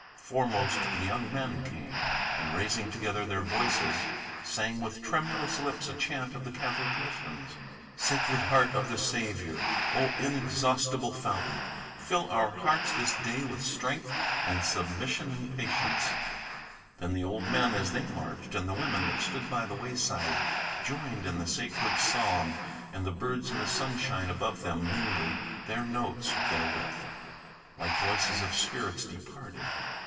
Foremost the young men came; and, raising together their voices, Sang with tremulous lips a chant of the Catholic Missions: "Sacred heart of the Saviour! O inexhaustible fountain! Fill our hearts this day with strength and submission and patience!" Then the old men, as they marched, and the women that stood by the wayside Joined in the sacred psalm, and the birds in the sunshine above them Mingled their notes therewith, like voices of spirits departed.